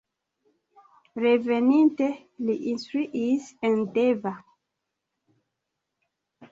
Reveninte li instruis en Deva.